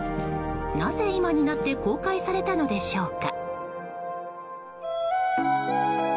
なぜ今になって公開されたのでしょうか。